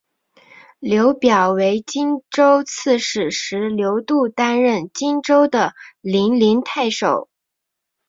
刘表为荆州刺史时刘度担任荆州的零陵太守。